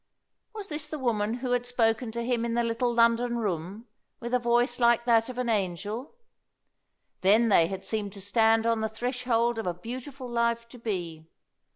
Was this the woman who had spoken to him in the little London room, with a voice like that of an angel? Then they had seemed to stand on the threshold of a beautiful life to be.